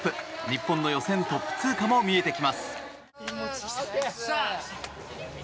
日本の予選トップ通過も見えてきます。